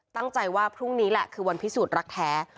ตั้งใจว่าพรุ่งนี้แหละคือวันพิสูจน์รักแท้